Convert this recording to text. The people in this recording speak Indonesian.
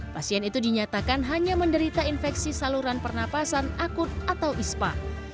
pasien itu dinyatakan hanya menderita infeksi saluran pernapasan akut atau ispa